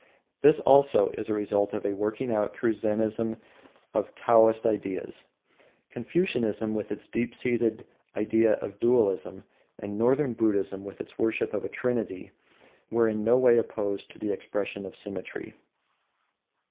This, also, is a result of a working out through Zennism of Taoist ideals. Confucianism, with its deep seated idea of dualism, and Northern Buddhism with its worship of a trinity, were in no way opposed to the expression of symmetry.